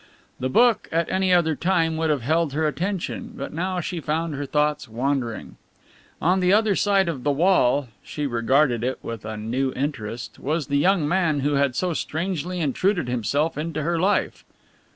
The book at any other time would have held her attention, but now she found her thoughts wandering. On the other side of the wall (she regarded it with a new interest) was the young man who had so strangely intruded himself into her life.